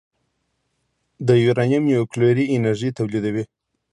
د یورانیم نیوکلیري انرژي تولیدوي.